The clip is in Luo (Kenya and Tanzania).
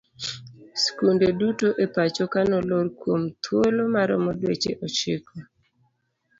Skunde duto e pacho ka nolor kuom thuolo maromo dweche ochiko.